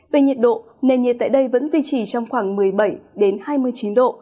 về nhiệt độ nền nhiệt tại đây vẫn duy trì trong khoảng một mươi bảy hai mươi chín độ